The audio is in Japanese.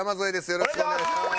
よろしくお願いします。